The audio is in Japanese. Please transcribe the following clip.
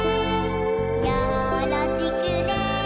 よろしくね！」